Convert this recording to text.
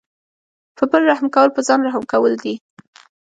په بل رحم کول په ځان رحم کول دي.